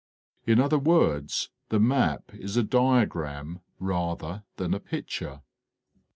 In other words the map is a diagram rather than a picture.